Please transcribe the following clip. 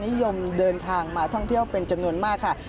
นิยมเดินทางมาท่องเที่ยวเป็นจำนวนมากค่ะ